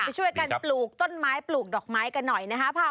ช่วยกันปลูกต้นไม้ปลูกดอกไม้กันหน่อยนะคะ